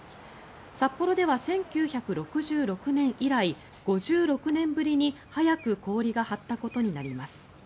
札幌では１９６６年以来５６年ぶりに早く氷が張ったことになります。